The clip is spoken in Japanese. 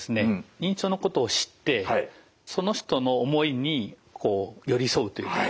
認知症のことを知ってその人の思いにこう寄り添うというか理解すると。